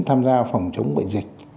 tham gia phòng chống bệnh dịch